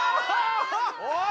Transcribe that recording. おい！